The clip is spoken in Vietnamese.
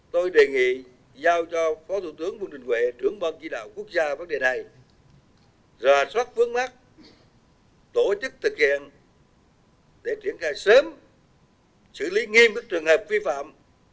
tôi đề nghị giao cho phó thủ tướng vương đình huệ trưởng ban chỉ đạo quốc gia vấn đề này ra soát vướng mắt tổ chức thực hiện để triển khai sớm xử lý nghiêm các trường hợp vi phạm